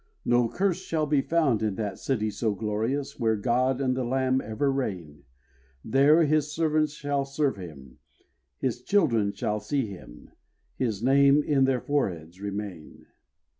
No curse shall be found in that city so glorious, Where God and the Lamb ever reign; There His servants shall serve Him, His children shall see Him, His name in their foreheads remain.